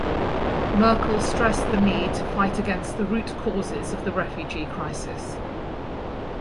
Merkel stressed the need to fight against the root causes of the refugee crisis.